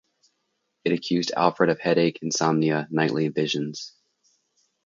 It accused Alfred of headache, insomnia, nightly visions.